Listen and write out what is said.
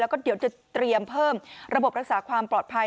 แล้วก็เดี๋ยวจะเตรียมเพิ่มระบบรักษาความปลอดภัย